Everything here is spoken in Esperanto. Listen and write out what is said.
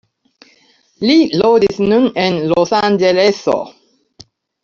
Li loĝis nun en Losanĝeleso.